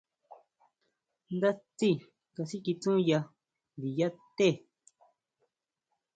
Ndá tsí kasikitsúya ndiyá té.